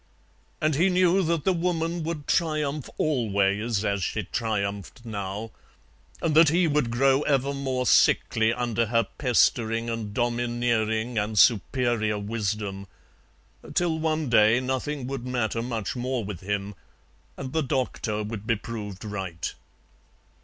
And he knew that the Woman would triumph always as she triumphed now, and that he would grow ever more sickly under her pestering and domineering and superior wisdom, till one day nothing would matter much more with him, and the doctor would be proved right.